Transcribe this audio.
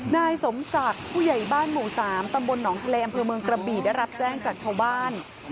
นายสมศักดิ์ผู้ใหญ่บ้านหมู่๓ตำบลหนองทะเลอำเภอเมืองกระบี่ได้รับแจ้งจากชาวบ้าน